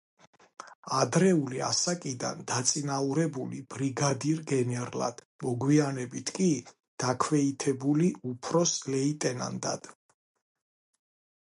ადრეული ასაკიდან დაწინაურებული ბრიგადირ–გენერლად, მოგვიანებით კი დაქვეითებული უფროს ლეიტენანტად.